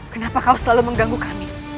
kenapa kau selalu mengganggu kami